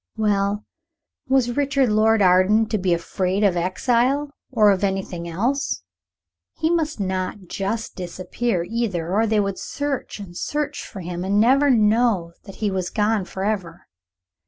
Well, was Richard Lord Arden to be afraid of exile or of anything else? He must not just disappear either, or they would search and search for him, and never know that he was gone forever.